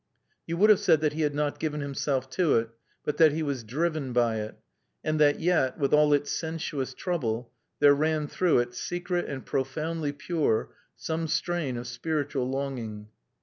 You would have said that he had not given himself to it, but that he was driven by it, and that yet, with all its sensuous trouble, there ran through it, secret and profoundly pure, some strain of spiritual longing.